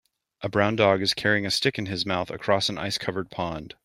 A brown dog is carrying a stick in his mouth across an ice covered pond.